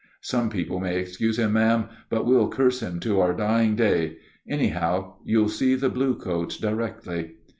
"Some people may excuse him, ma'am; but we'll curse him to our dying day. Anyhow, you'll see the blue coats directly."